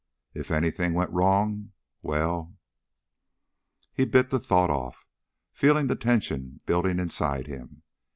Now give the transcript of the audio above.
If anything went wrong, well ... He bit the thought off, feeling the tension building inside him.